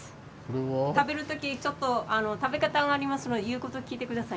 食べる時ちょっと食べ方がありますので言うことを聞いてくださいね。